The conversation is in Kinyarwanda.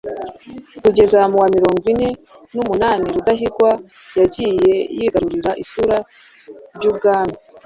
kugeza mu wa mirongo ine numunani Rudahigwa yagiye yigarurira isura ry'ubwami